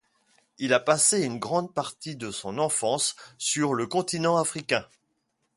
Il a passé une grande partie de son enfance sur le continent Africain.